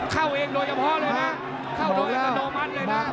เข้าโดยอัตโนมัติเลยนะ